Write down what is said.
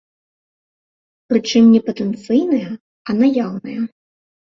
Прычым не патэнцыйная, а наяўная.